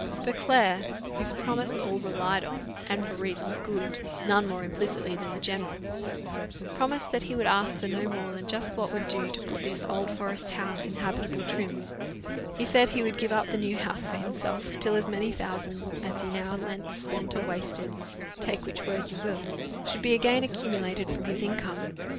Beauclerc, whose promise all relied on, and for reasons good, none more implicitly than the general, promised that he would ask for no more than just what would do to put this Old Forest house in habitable trim; he said he would give up the new house for himself, till as many thousands as he now lent, spent, or wasted take which word you will should be again accumulated from his income.